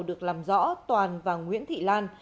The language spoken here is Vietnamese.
được làm rõ toàn và nguyễn thị lan